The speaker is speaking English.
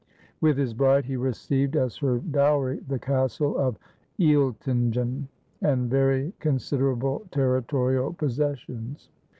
With his bride he received as her dowry the castle of Oeltin gen, and very considerable territorial possessions.